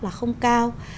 là không cao